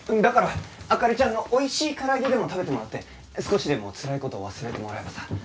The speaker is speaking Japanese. だから灯ちゃんの美味しい唐揚げでも食べてもらって少しでもつらい事を忘れてもらえばさ。